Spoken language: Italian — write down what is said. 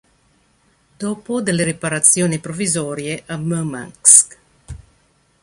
Dopo delle riparazioni provvisorie a Murmansk.